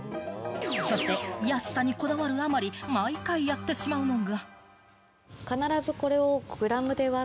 そして安さにこだわるあまり、毎回やってしまうのが。